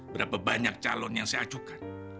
berapa banyak calon yang saya ajukan